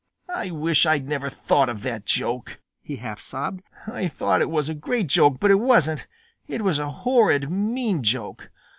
"I wish I'd never thought of that joke," he half sobbed. "I thought it was a great joke, but it wasn't. It was a horrid, mean joke.